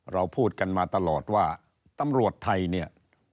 เราพูดกันมาตลอดว่าทำรวจไทย